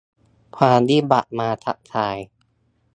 ความวิบัติมาทักทาย